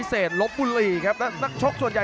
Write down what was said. อื้อหือจังหวะขวางแล้วพยายามจะเล่นงานด้วยซอกแต่วงใน